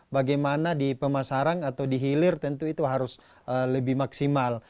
bagaimana di pemasaran atau di hilir tentu itu harus lebih maksimal